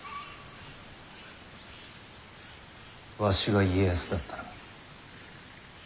わしが家康だったら何とする？